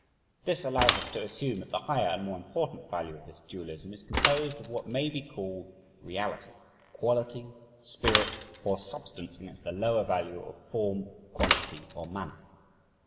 This allows us to assume that the higher and more important value of this dualism is composed of what may be called reality, quality, spirit, or substance against the lower value of form, quantity, or manner.